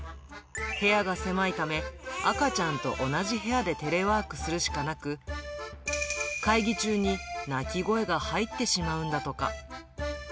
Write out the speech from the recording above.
部屋が狭いため、赤ちゃんと同じ部屋でテレワークするしかなく、会議中に泣き声が入ってしまうんだとか。